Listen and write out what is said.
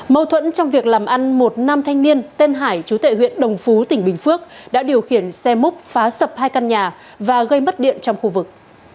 mâu thuẫn trong việc làm ăn một nam thanh niên tên hải chú tệ huyện đồng phú tỉnh bình phước đã điều khiển xe múc phá sập hai căn nhà và gây mất điện trong khu vực